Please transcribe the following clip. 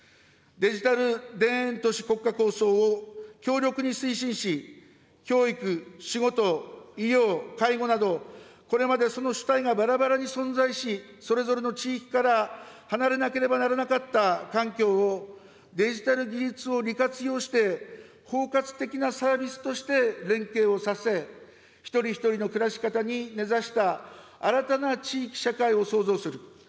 デジタル田園都市国家構想を強力に推進し、教育・仕事・医療・介護など、これまでその主体がばらばらに存在し、それぞれの地域から離れなければならなかった環境を、デジタル技術を利活用して、包括的なサービスとして連携をさせ、一人一人の暮らし方に根ざした新たな地域社会を創造する。